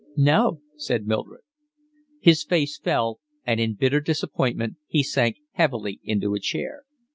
"No," said Mildred. His face fell, and in bitter disappointment he sank heavily into a chair.